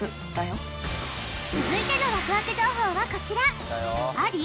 続いてのワクワク情報はこちらあり？